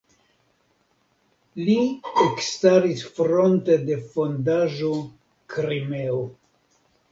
Li ekstaris fronte de Fondaĵo "Krimeo".